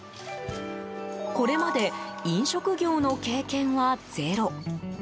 これまで、飲食業の経験はゼロ。